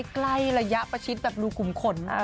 ใกล้ระยะประชิดแบบดูขุมขน